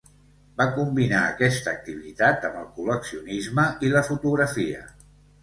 Va combinar aquesta activitat amb el col·leccionisme i la fotografia.